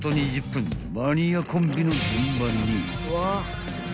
［マニアコンビの順番に］